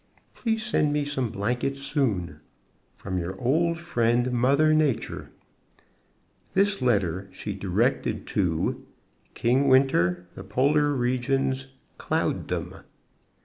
Please send me some blankets soon. From your old friend, Mother Nature. This letter she directed to King Winter, The Polar Regions, Cloud dom.